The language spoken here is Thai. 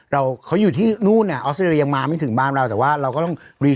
เราเขาอยู่ที่นู่นเนี่ยออสเตรเลียยังมาไม่ถึงบ้านเราแต่ว่าเราก็ต้องรี